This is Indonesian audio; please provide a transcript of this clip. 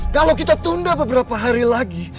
kalau kita tunda beberapa hari lagi